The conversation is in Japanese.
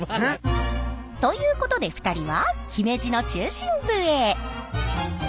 ということで２人は姫路の中心部へ。